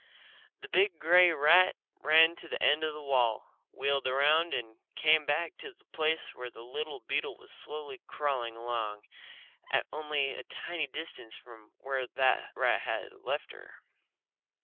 The big grey rat ran to the end of the wall, wheeled around, and came back to the place where the little beetle was slowly crawling along at only a tiny distance from where the rat had left her.